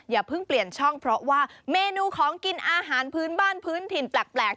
อย่าเพิ่งเปลี่ยนช่องเพราะว่าเมนูของกินอาหารพื้นบ้านพื้นถิ่นแปลก